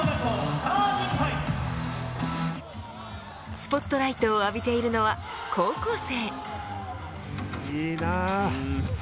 スポットライトを浴びているのは高校生。